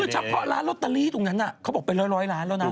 เฉพาะร้านลอตเตอรี่ตรงนั้นเขาบอกเป็นร้อยล้านแล้วนะ